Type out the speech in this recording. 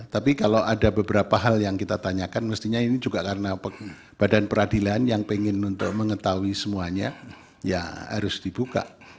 tapi kalau ada beberapa hal yang kita tanyakan mestinya ini juga karena badan peradilan yang pengen untuk mengetahui semuanya ya harus dibuka